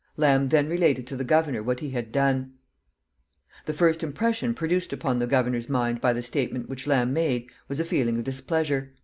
Lamb then related to the governor what he had done. The first impression produced upon the governor's mind by the statement which Lamb made was a feeling of displeasure.